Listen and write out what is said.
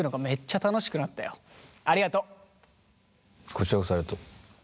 こちらこそありがとう。